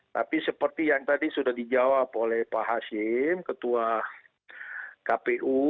tapi seperti yang tadi sudah dijawab oleh pak hashim ketua kpu